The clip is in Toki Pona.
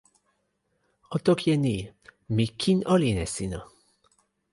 o toki e ni: mi kin olin e sina.